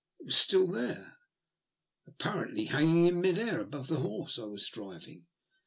It was still there, apparently hanging in mid air above the horse I was driving.